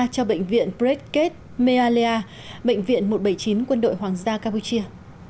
cho bệnh viện bredket mealea bệnh viện một trăm bảy mươi chín quân đội hoàng gia campuchia